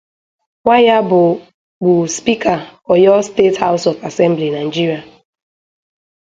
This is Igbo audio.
Nwayia bu gbu Speaker Oyo State House of Assembly, Nigeria.